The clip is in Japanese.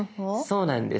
そうなんです。